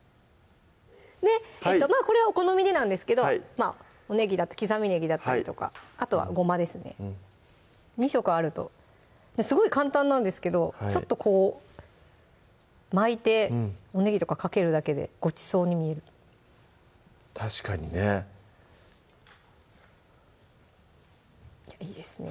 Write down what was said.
まぁこれはお好みでなんですけどきざみねぎだったりとかあとはごまですね２色あるとすごい簡単なんですけどちょっとこう巻いておねぎとかかけるだけでごちそうに見える確かにねいいですね